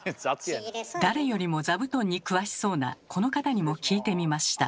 誰よりも座布団に詳しそうなこの方にも聞いてみました。